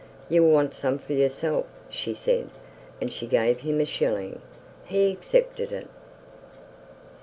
"You'll want some for yourself," she said, and she gave him a shilling. He accepted it.